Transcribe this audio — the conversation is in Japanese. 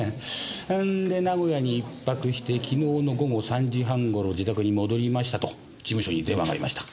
そんで名古屋に１泊して昨日の午後３時半頃自宅に戻りましたと事務所に電話がありました。